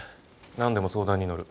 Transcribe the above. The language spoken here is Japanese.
何でも相談に乗る。